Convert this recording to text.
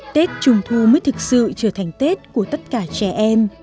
tiết trùng thu mới thực sự trở thành tiết của tất cả trẻ em